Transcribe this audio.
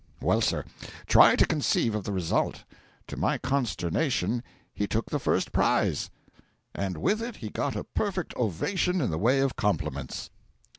Well, sir, try to conceive of the result: to my consternation, he took the first prize! And with it he got a perfect ovation in the way of compliments.